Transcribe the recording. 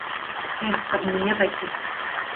Эх, каб мне такі.